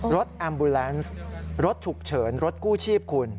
แอมบูแลนซ์รถฉุกเฉินรถกู้ชีพคุณ